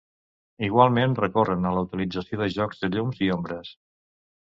Igualment recorren a la utilització de jocs de llums i ombres.